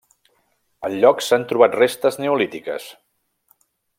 Al lloc s'han trobat restes neolítiques.